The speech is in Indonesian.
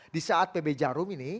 di saat pb jarum ini